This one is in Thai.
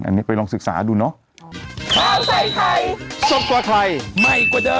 อันนี้ไปลองศึกษาดูเนาะ